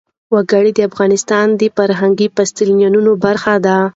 وګړي د افغانستان د فرهنګي فستیوالونو برخه ده.